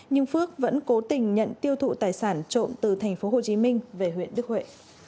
nhưng phước vẫn cố tình nhận tiêu thụ tài sản trộm từ tp hcm về huyện đức huệ